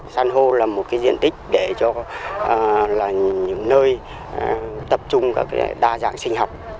san hô là một diện tích để cho là những nơi tập trung các đa dạng sinh học